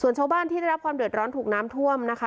ส่วนชาวบ้านที่ได้รับความเดือดร้อนถูกน้ำท่วมนะคะ